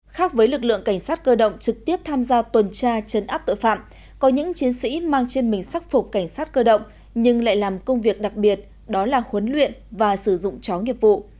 khác với lực lượng cảnh sát cơ động trực tiếp tham gia tuần tra chấn áp tội phạm có những chiến sĩ mang trên mình sắc phục cảnh sát cơ động nhưng lại làm công việc đặc biệt đó là huấn luyện và sử dụng chó nghiệp vụ